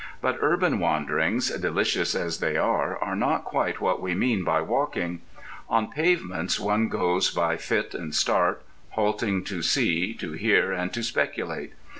But urban wanderings, delicious as they are, are not quite what we mean by walking. On pavements one goes by fit and start, halting to see, to hear, and to speculate.